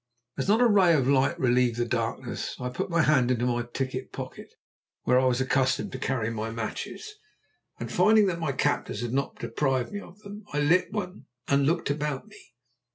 As not a ray of light relieved the darkness I put my hand into my ticket pocket, where I was accustomed to carry matches, and finding that my captors had not deprived me of them, lit one and looked about me.